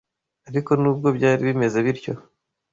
Ariko nubwo byari bimeze bityo